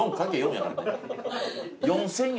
４０００円